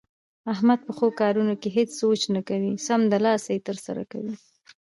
احمد په ښو کارونو کې هېڅ سوچ نه کوي، سمدلاسه یې ترسره کوي.